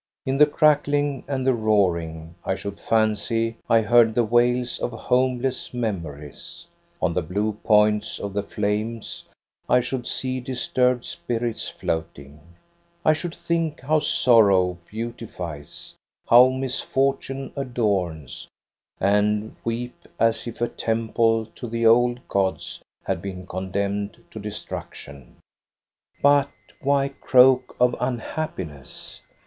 In the crackling and the roaring I should fancy I heard the wails of homeless memories ; on the blue points of the flames I should see disturbed spirits floating. I should think how sorrow beautifies, how misfortune adorns, and weep as if a temple to the old gods had been condemned to destructioa 2l6 THE STORY OF GOSTA BERLING. But why croak of unhappiness?